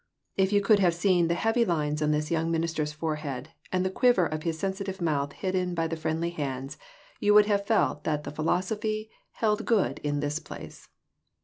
If you could have seen the heavy lines on this young minister's forehead, and the quiver of his sensitive mouth hidden by the friendly hands, you would have felt that the phi losophy held good in this place.